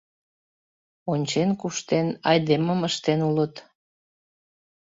Ончен-куштен, айдемым ыштен улыт